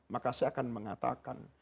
maka saya akan mengatakan